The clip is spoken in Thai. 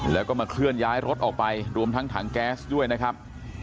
แล้วก็มาเคลื่อนย้ายรถออกไปรวมทั้งถังแก๊สด้วยนะครับ